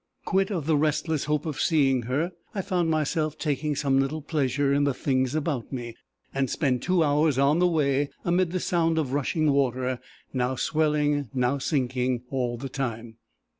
Quit of the restless hope of seeing her, I found myself taking some little pleasure in the things about me, and spent two hours on the way, amid the sound of rushing water, now swelling, now sinking, all the time.